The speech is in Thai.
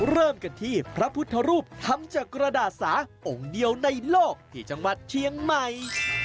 เริ่มกันที่พระพุทธรูปทำจากกระดาษสาองค์เดียวในโลกที่จังหวัดเชียงใหม่